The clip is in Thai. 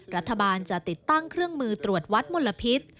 รัฐบาลจะติดตั้งเครื่องมือตรวจวัดมลพิษ